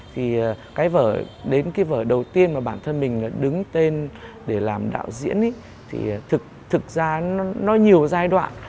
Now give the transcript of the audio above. thì cái vở đến cái vở đầu tiên mà bản thân mình đứng tên để làm đạo diễn thì thực ra nó nhiều giai đoạn